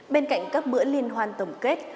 bên cạnh các bữa liên hoan tổng kết